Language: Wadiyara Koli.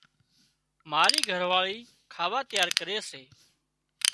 مارِي گھر واۯِي کاوا تيار ڪري سي۔